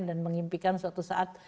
dan mengimpikan suatu saat